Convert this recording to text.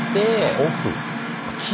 オフ。